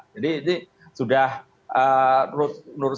jadi ini sudah menurut saya sudah berhasil